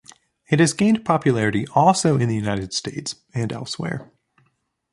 It has gained popularity also in the United States and elsewhere.